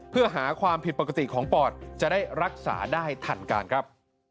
เพื่อหาความผิดปกติของปอดจะได้รักษาได้ทันการครับ